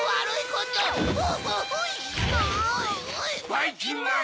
ばいきんまん！